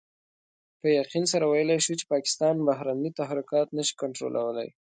په يقين سره ويلای شو چې پاکستان بهرني تحرکات نشي کنټرولولای.